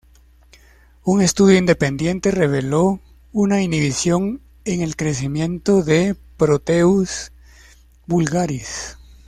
Un estudio independiente reveló una inhibición en el crecimiento de "Proteus vulgaris".